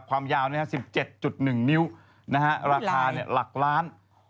ความยาว๑๗๑นิ้วราคาหลักล้าน